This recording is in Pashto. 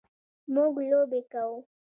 موږ لوبې کوو.